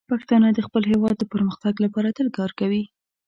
پښتانه د خپل هیواد د پرمختګ لپاره تل کار کوي.